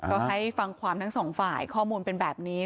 ก็ให้ฟังความทั้งสองฝ่ายข้อมูลเป็นแบบนี้